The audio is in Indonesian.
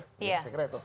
saya kira itu